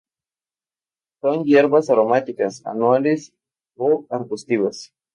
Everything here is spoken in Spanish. Son hierbas aromáticas anuales o arbustivas.